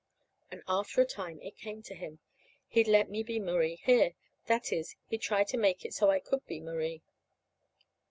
And after a time it came to him he'd let me be Marie here; that is, he'd try to make it so I could be Marie.